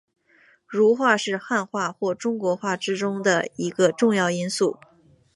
儒化是汉化或中国化之中的一个重要因素。